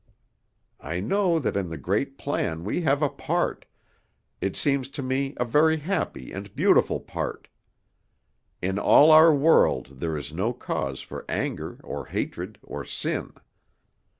I know that in the great plan we have a part, it seems to me a very happy and beautiful part. In all our world there is no cause for anger or hatred or sin.